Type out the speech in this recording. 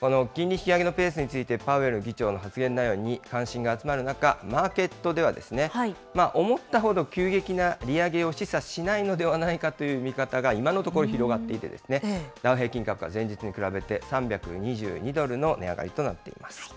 この金利引き上げのペースについて、パウエル議長の発言内容に関心が集まる中、マーケットでは、思ったほど急激な利上げを示唆しないのではないかという見方が今のところ広がっていて、ダウ平均株価、前日に比べて３２２ドルの値上がりとなっています。